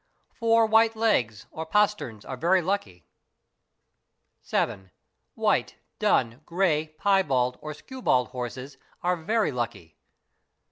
Four white legs or pasterns are very lucky. 7. White, dun, grey, piebald, or skewbald horses are very lucky.